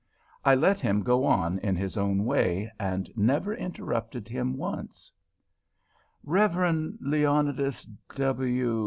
I let him go on in his own way, and never interrupted him once. "Rev. Leonidas W.